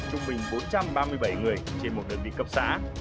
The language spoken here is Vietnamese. trung bình bốn trăm ba mươi bảy người trên một đơn vị cấp xã